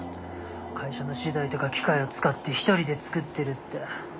会社の資材とか機械を使って一人で作ってるって。